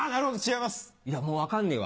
いやもう分かんねえわ。